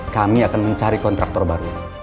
kami akan mencari kontraktor baru